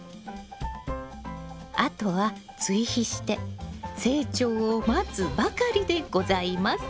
あとは追肥して成長を待つばかりでございます。